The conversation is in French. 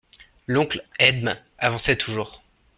L'oncle Edme avançait toujours.